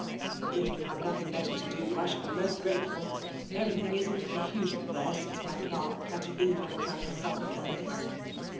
If you have nothing better to do, I should be most grateful. Everything is in confusion there, since my clerk had to leave on account of sudden illness."